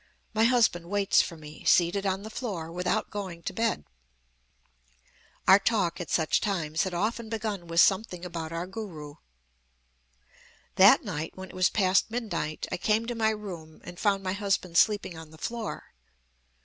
My husband waits for me, seated on the floor, without going to bed. Our talk at such times had often begun with something about our Guru. "That night, when it was past midnight, I came to my room, and found my husband sleeping on the floor.